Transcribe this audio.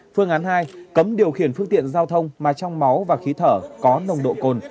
phương án hai cấm điều khiển phương tiện giao thông mà trong máu và khí thở có nồng độ cồn